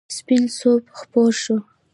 سپین صبح خپور شو.